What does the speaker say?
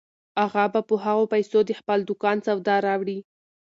اغا به په هغو پیسو د خپل دوکان سودا راوړي.